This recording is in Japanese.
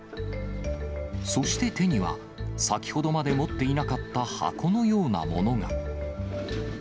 そして手には、先ほどまで持っていなかった箱のようなものが。